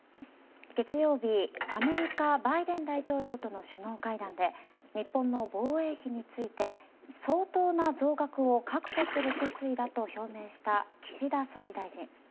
月曜日、アメリカバイデン大統領との首脳会談で日本の防衛費について相当な増額を確保する決意だと表明した岸田総理大臣。